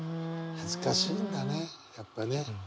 恥ずかしいんだねやっぱね。